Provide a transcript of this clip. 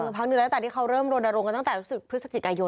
คราวนึงแล้วตอนที่เขาเริ่มโรนโดรงกันตั้งแต่ภศจิกายน